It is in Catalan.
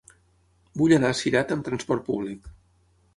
Vull anar a Cirat amb transport públic.